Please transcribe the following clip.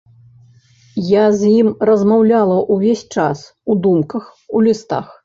Я з ім размаўляла ўвесь час у думках, у лістах.